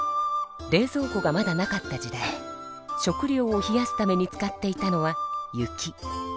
冷ぞう庫がまだなかった時代食料を冷やすために使っていたのは雪。